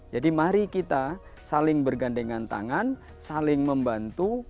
jadi mari kita saling bergandengan tangan saling membantu